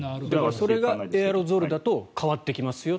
それがエアロゾルだと変わってきますよと。